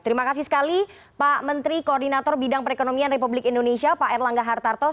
terima kasih sekali pak menteri koordinator bidang perekonomian republik indonesia pak erlangga hartarto